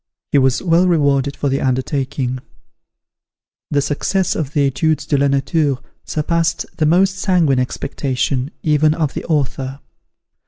He was well rewarded for the undertaking. The success of the "Etudes de la Nature" surpassed the most sanguine expectation, even of the author.